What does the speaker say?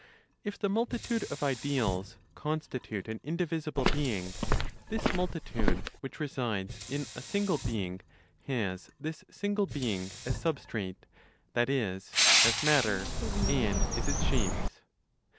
If the multitude of ideals constitute an indivisible being, this multitude, which resides in a single being, has this single being as substrate, that is, as matter and is its shapes.